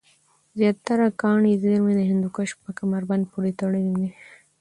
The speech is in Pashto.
زیاتره کاني زېرمي د هندوکش په کمربند پورې تړلې دی